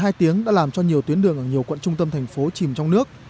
hai tiếng đã làm cho nhiều tuyến đường ở nhiều quận trung tâm thành phố chìm trong nước